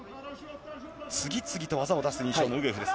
次々と技を出す印象のウグエフです。